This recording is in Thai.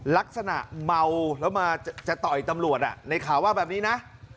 ลักษณะเมาแล้วมาจะต่อยตำรวจในข่าวว่าแบบนี้นะ